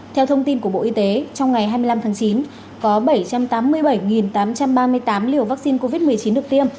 theo thông tin của bộ y tế trong ngày hai mươi năm tháng chín có bảy trăm tám mươi bảy tám trăm ba mươi tám liều vaccine covid